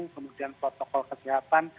kemudian protokol kesehatan